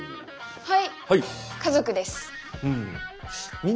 はい。